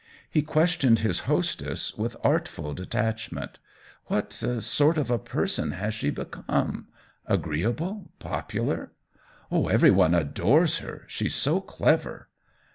He questioned his hostess with artful detachment. "What sort of a person has she become — agreeable, popular ?"" Every one adores her — she's so clever."